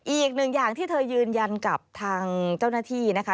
อย่างที่เธอยืนยันกับทางเจ้าหน้าที่นะคะ